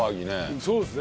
そうですね。